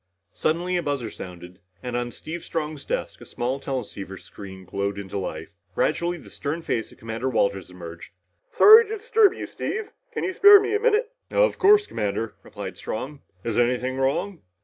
Suddenly a buzzer sounded, and on Steve Strong's desk a small teleceiver screen glowed into life. Gradually the stern face of Commander Walters emerged. "Sorry to disturb you, Steve. Can you spare me a minute?" "Of course, Commander," replied Strong. "Is anything wrong?"